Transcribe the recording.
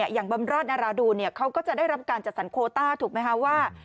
อย่างบำราชนาราดูฯก็จะได้รับการจัดสรรควอต่า